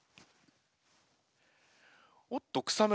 おっと草村